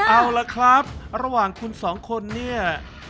เอาละครับระหว่างคุณสองคนเนี่ย